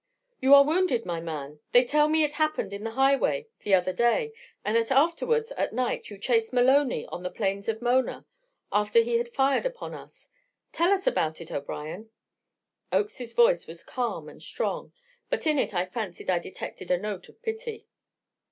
"You are wounded, my man! They tell me it happened in the Highway the other day, and that afterwards, at night, you chased Maloney on the plains of Mona, after he had fired upon us. Tell us about it, O'Brien." Oakes's voice was calm and strong, but in it I fancied I detected a note of pity.